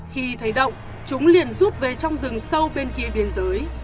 khi thấy động chúng liền rút về trong rừng sâu bên kia biên giới